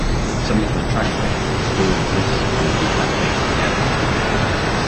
Some of the trackbed still exists around the Athy area.